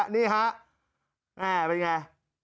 นี่ค่ะเป็นไง